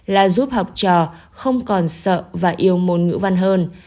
là giúp học trò không còn sợ và yêu môn ngữ văn hơn